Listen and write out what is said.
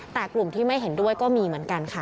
แต่กลุ่มที่ไม่เห็นด้วยก็มีเหมือนกันค่ะ